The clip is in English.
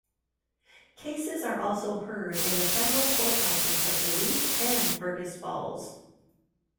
Cases are also heard in the federal courthouses of Duluth and Fergus Falls.